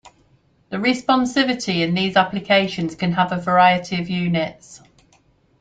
The responsivity in these applications can have a variety of units.